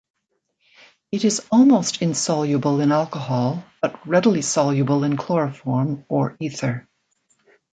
It is almost insoluble in alcohol but readily soluble in chloroform or ether.